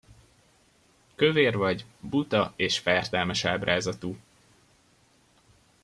Kövér vagy, buta és fertelmes ábrázatú!